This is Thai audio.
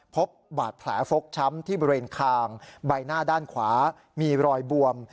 พบบาดแผลฟกช้ำที่บริเวณคางใบหน้าด้านขวามีรอยบวม